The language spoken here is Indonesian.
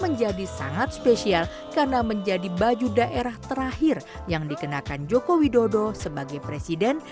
menjadi sangat spesial karena menjadi baju daerah terakhir yang dikenakan joko widodo sebagai presiden